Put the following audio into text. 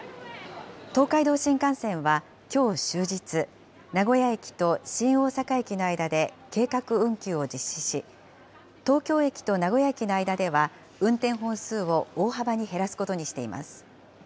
東海道新幹線はきょう終日、名古屋駅と新大阪駅の間で計画運休を実施し、東京駅と名古屋駅の間では運転本数を大幅に減らすことにしています。